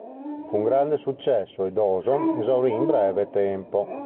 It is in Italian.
Fu un grande successo e Dawson esaurì in breve tempo.